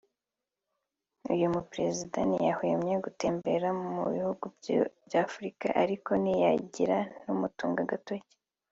uyu muperezeida ntiyahwemye gutembera mu bihugu by’Afurika ariko ntihagire n’umutunga agatoki